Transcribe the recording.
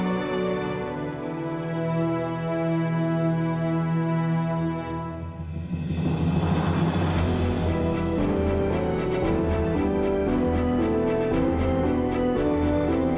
atau sebanyaknya yang ada di hatiku